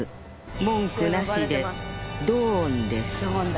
文句なしでドーンです